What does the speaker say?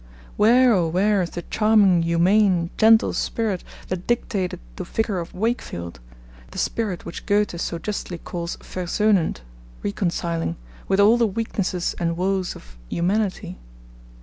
Where, oh! where is the charming, humane, gentle spirit that dictated the Vicar of Wakefield the spirit which Goethe so justly calls versohnend (reconciling), with all the weaknesses and woes of humanity?